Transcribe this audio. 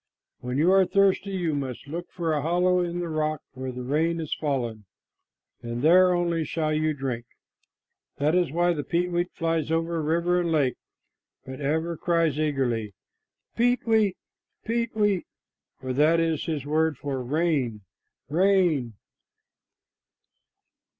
When you are thirsty, you must look for a hollow in the rock where the rain has fallen, and there only shall you drink." That is why the peetweet flies over river and lake, but ever cries eagerly, "Peet weet, peet weet!" for that is his word for "Rain, rain!"